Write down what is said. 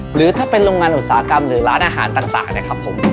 หรือถ้าเป็นโรงงานอุตสาหกรรมหรือร้านอาหารต่างนะครับผม